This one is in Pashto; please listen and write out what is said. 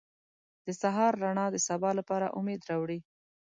• د سهار رڼا د سبا لپاره امید راوړي.